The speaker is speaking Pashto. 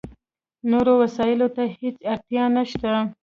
نورو وسایلو ته هېڅ اړتیا نشته.